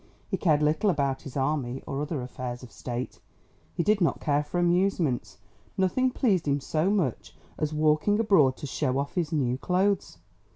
He cared little about his army or other affairs of State; he did not care for amusements; nothing pleased him so much as walking abroad to show off his new clothes.